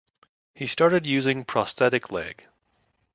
He started using prosthetic leg.